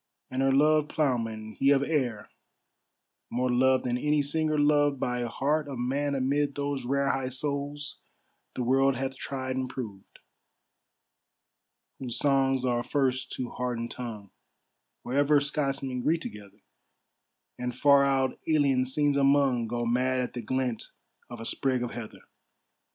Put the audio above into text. And her loved ploughman, he of Ayr, More loved than any singer loved By heart of man amid those rare, High souls the world hath tried and proved; Whose songs are first to heart and tongue, Wherever Scotsmen greet together, And, far out alien scenes among, Go mad at the glint of a sprig of heather.